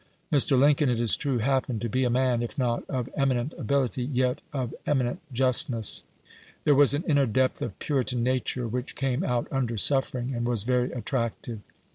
Mr. Lincoln, it is true, happened to be a man, if not of eminent ability, yet of eminent justness. There was an inner depth of Puritan nature which came out under suffering, and was very attractive.